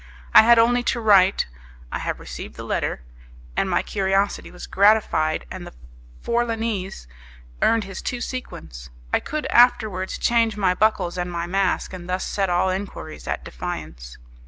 I had only to write, "I have received the letter," and my curiosity was gratified and the Forlanese earned his two sequins. I could afterwards change my buckles and my mask, and thus set all enquiries at defiance.